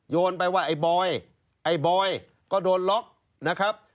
โยนไปว่าไอ้บอยไอ้บอยก็โดนล็อกนะครับ